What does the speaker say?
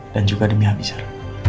dan juga demi abizer